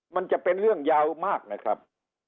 มันจะเป็นเรื่องยาวมากนะครับ